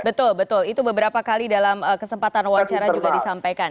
betul betul itu beberapa kali dalam kesempatan wawancara juga disampaikan